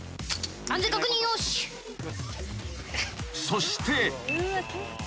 ［そして］